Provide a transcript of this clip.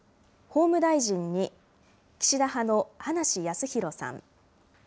法務大臣に岸田派の葉梨康弘さん。